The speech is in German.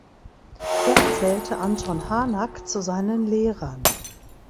Dort zählte Anton Hanak zu seinen Lehrern.